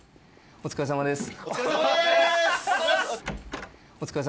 お疲れさまです！